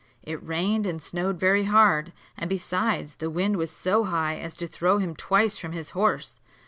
It rained and snowed very hard, and besides, the wind was so high as to throw him twice from his horse.